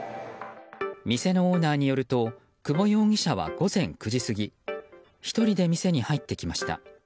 店のオーナーによると久保容疑者は午前９時過ぎ１人で店に入ってきました。